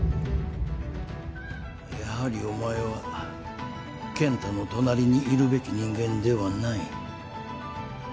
やはりお前は健太の隣にいるべき人間ではない。